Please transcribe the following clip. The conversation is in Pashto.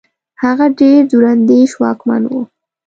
هغه ډېر دور اندېش واکمن وو.